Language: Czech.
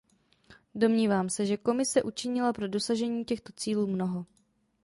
Domnívám se, že Komise učinila pro dosažení těchto cílu mnoho.